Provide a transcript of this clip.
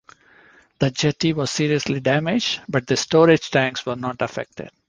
The jetty was seriously damaged, but the storage tanks were not affected.